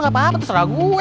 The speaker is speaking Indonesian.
gak apa apa terserah gue